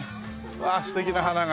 わあ素敵な花が。